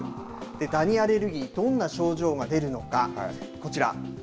ダニアレルギーどんな症状が出るのかこちら。